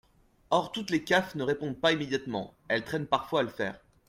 Or toutes les CAF ne répondent pas immédiatement : elles traînent parfois à le faire.